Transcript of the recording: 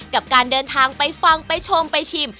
กับการเดินทางไปฟังไปชมไปชิม